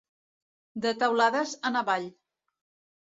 De teulades en avall.